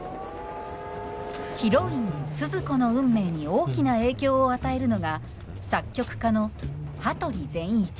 ヒロインスズ子の運命に大きな影響を与えるのが作曲家の羽鳥善一。